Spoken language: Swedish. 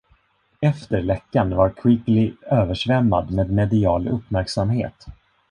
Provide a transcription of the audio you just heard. Efter läckan var Quigley översvämmad med medial uppmärksamhet.